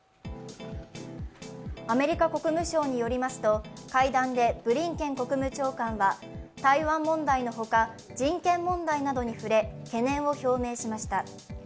アメリカ国務省によりますと会談でブリンケン国務長官は台湾問題のほか、人権問題などに触れ、懸念を表明しました。